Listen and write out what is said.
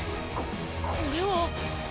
ここれは。